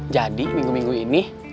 jadi minggu minggu ini